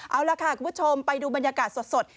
เอาล่ะค่ะคุณผู้ชมไปดูบรรยากาศสด